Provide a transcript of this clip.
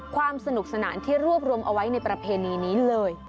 ความสนุกสนานที่รวบรวมเอาไว้ในประเพณีนี้เลย